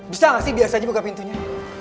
bisa gak sih biar saja buka pintunya